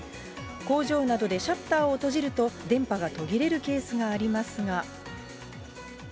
工場などでシャッターを閉じると、電波が途切れるケースがありますが。